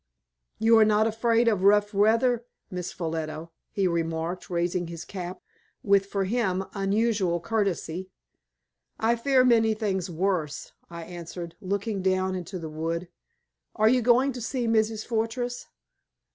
"You are not afraid of rough weather, Miss Ffolliot," he remarked, raising his cap, with, for him, unusual courtesy. "I fear many things worse," I answered, looking down into the wood. "Are you going to see Mrs. Fortress?"